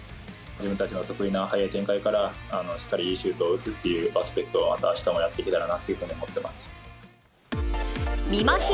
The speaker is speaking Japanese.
自分たちの得意な速い展開から、しっかりいいシュートを打つというバスケットをまたあしたもやっていけたらなというふうに思っています。